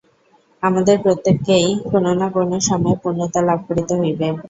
আমাদের প্রত্যেককেই কোন না কোন সময়ে পূর্ণতা লাভ করিতে হইবে।